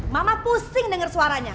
mama pusing denger suaranya